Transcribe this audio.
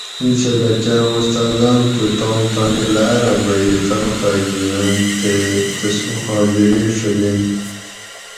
اِینچھلہ کاٞں اُستاذاٞن تھُو توم تانی لاٞرہ بھٞئ تنخہ گھِیننت تے تسُوں حاضری ݭجینت